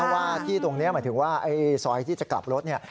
ว่าที่ตรงนี้หมายถึงว่าซอยที่จะกลับรถเนี่ย